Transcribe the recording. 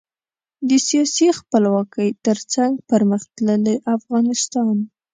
د سیاسي خپلواکۍ ترڅنګ پرمختللي افغانستان.